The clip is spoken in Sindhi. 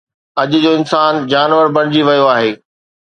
اڄ جو انسان جانور بڻجي ويو آهي